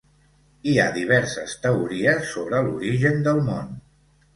Hi ha diverses teories sobre l'origen del món.